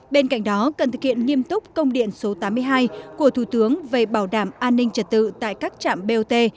bên cạnh đó cần thực hiện nghiêm túc công điện số tám mươi hai của thủ tướng về bảo đảm an ninh trật tự tại các trạm bot